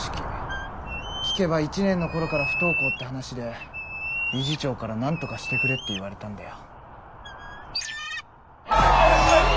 聞けば１年の頃から不登校って話で理事長からなんとかしてくれって言われたんだよ。